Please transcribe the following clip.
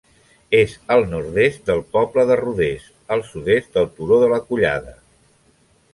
És al nord-est del poble de Rodés, al sud-est del Turó de la Collada.